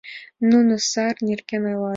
Нуно сар нерген ойлат.